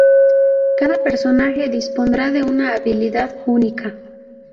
Cada personaje dispondrá de una habilidad única.